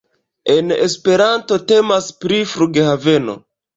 En Esperanto temas pri Flughaveno.